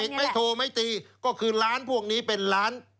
ไม้เอกไม้โทไม้ตีก็คือล้านพวกนี้เป็นล้าน